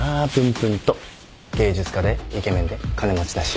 芸術家でイケメンで金持ちだし。